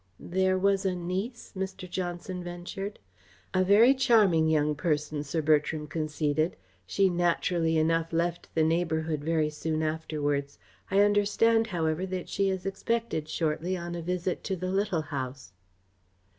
"There was a niece," Mr. Johnson ventured. "A very charming young person," Sir Bertram conceded. "She naturally enough left the neighbourhood very soon afterwards. I understand, however, that she is expected shortly on a visit to the Little House."